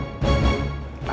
jangan sampai melihatnya